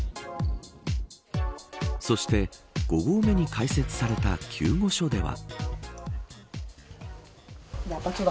そして、５合目に開設された救護所では。